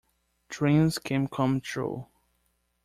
Dreams can come true.